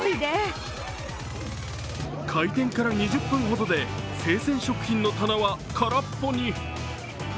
開店から２０分ほどで、生鮮食品の棚は空っぽに。